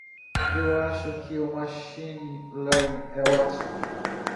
Eu acho que o Machine Learning é ótimo.